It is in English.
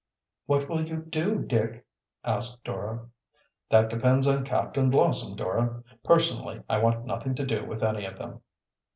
"What will you do, Dick?" asked Dora. "That depends on Captain Blossom, Dora. Personally I want nothing to do with any of them."